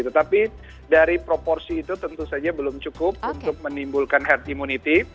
tetapi dari proporsi itu tentu saja belum cukup untuk menimbulkan herd immunity